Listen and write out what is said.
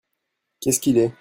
Qu'est-ce qu'il est ?